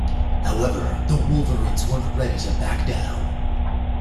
However, the Wolverines weren't ready to back down.